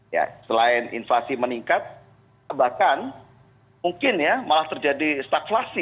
ya selain inflasi meningkat bahkan mungkin ya malah terjadi stakflasi